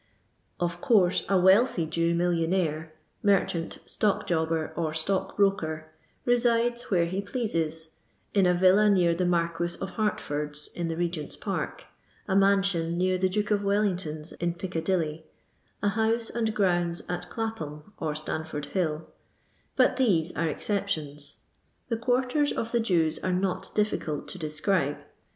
Of course a wealthy Jew millionaire — ^mer chant, stock jobber, or stock broker— resides where he plsascs — in a villa near the Marquis of Hert ford'a in the Eegent's pnrk, a mansion near the Duke of ^VelUngtoB*s in Piccadilly, a house and grounds at Clapham or Stamford hill ; but these are exceptions. The quarters of the Jews are not dif ficult to describe.